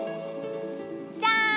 じゃん！